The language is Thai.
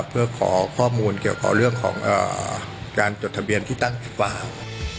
เพื่อขอข้อมูลเกี่ยวกับเรื่องการจดทะเบียนที่ตั้งที่ฝาว